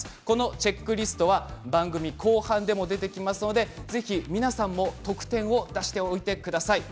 チェックリストは番組後半でも出てきますのでぜひ皆さんも得点を出しておいてください。